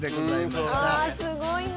すごいね。